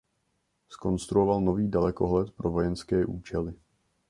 Zkonstruoval nový dalekohled pro vojenské účely.